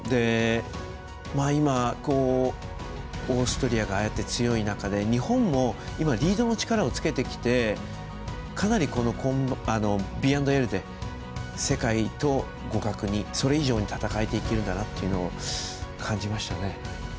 今、オーストリアがああやって強い中で日本も今リードの力をつけてきてかなりＢ＆Ｌで世界と互角に、それ以上に戦えていけるんだなというのを感じましたね。